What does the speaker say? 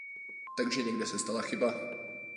Takže někde se stala chyba.